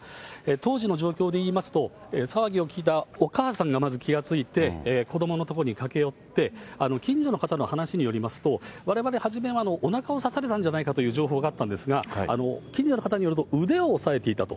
当時の状況でいいますと、騒ぎを聞いたお母さんがまず気が付いて、子どもの所に駆け寄って、近所の方の話によりますと、われわれ初めはおなかを刺されたんじゃないかという情報があったんですが、近所の方によると、腕を押さえていたと。